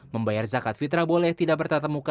membayar zakat fitrah boleh tidak bertatap muka